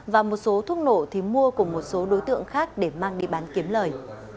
và một số thuốc nổ thì mua cùng một số đối tượng khác để mang đi bán kiếm lời